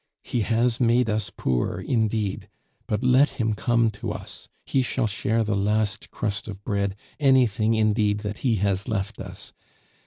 He has made us poor indeed; but let him come to us, he shall share the last crust of bread, anything indeed that he has left us.